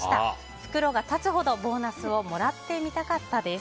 袋が立つほどボーナスをもらってみたかったです。